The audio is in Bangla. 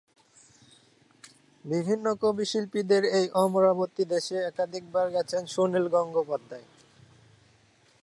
বিভিন্ন কবি-শিল্পীদের এই অমরাবতী দেশে একাধিকবার গেছেন সুনীল গঙ্গোপাধ্যায়।